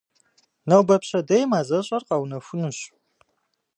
Нобэ-пщэдей мазэщӏэр къэунэхунущ.